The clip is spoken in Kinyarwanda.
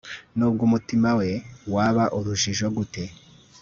nubwo umutima we waba urujijo gute